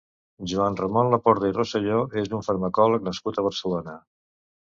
Joan Ramon Laporte i Roselló és un farmacòleg nascut a Barcelona.